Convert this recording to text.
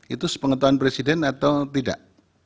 itu sepengetahuan presiden atau tidak